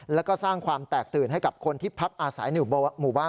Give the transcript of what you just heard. แล้วก็สร้างความแตกตื่นให้กับคนที่พักอาศัยในหมู่บ้าน